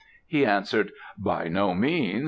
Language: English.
He answered, "by no means."